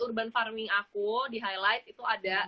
urban farming aku di highlight itu ada